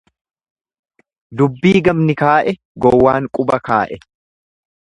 Dubbii gamni kaa'e gowwaan quba kaa'e.